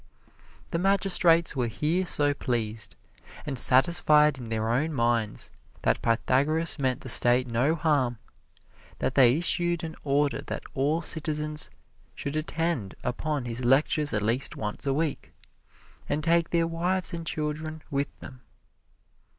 The magistrates were here so pleased, and satisfied in their own minds that Pythagoras meant the State no harm, that they issued an order that all citizens should attend upon his lectures at least once a week, and take their wives and children with them.